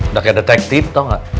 udah kayak detektif tau gak